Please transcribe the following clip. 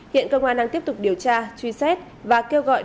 hiện cơ quan đang tiếp tục điều tra truy xét và kêu gọi đối tượng